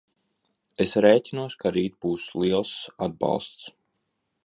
Es rēķinos, ka rīt būs liels atbalsts.